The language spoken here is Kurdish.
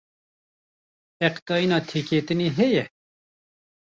Heqdayina têketinê heye?